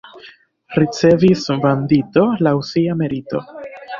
Ricevis bandito laŭ sia merito.